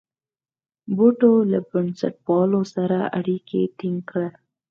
بوټو له بنسټپالو سره اړیکي ټینګ کړل.